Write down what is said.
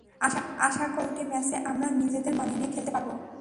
আশা করি, পরের দুটি ম্যাচে আমরা নিজেদের মানিয়ে নিয়ে খেলতে পারব।